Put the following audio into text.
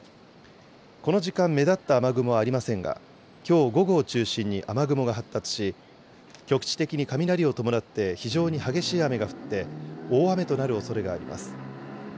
この時間、目立った雨雲はありませんが、きょう午後を中心に雨雲が発達し、局地的に雷を伴って、非常に激しい雨が降って、大雨となるおそれがあります。